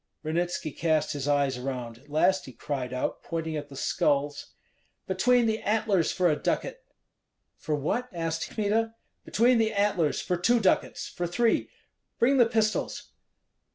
Ranitski cast his eyes around; at last he cried out, pointing at the skulls, "Between the antlers, for a ducat!" "For what?" asked Kmita. "Between the antlers, for two ducats, for three! Bring the pistols!"